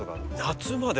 夏まで。